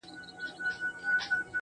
زلفي راټال سي گراني.